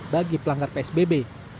bagi pelanggar psbb